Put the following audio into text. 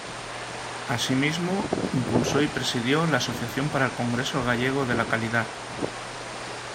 Asimismo, impulsó y presidió la Asociación para el Congreso Gallego de la Calidad.